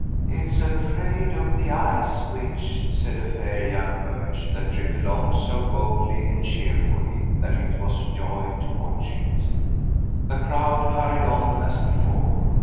"It's afraid of the Ice Witch," said a fair young birch that tripped along so boldly and cheerfully that it was a joy to watch it. The crowd hurried on as before.